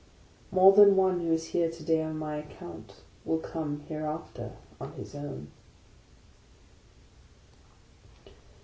More than one who is here to day on my account, will come hereafter on his own.